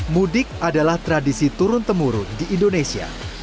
mudik adalah tradisi turun temurun di indonesia